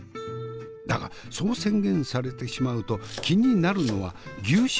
だがそう宣言されてしまうと気になるのは牛脂以外のお肉の行方。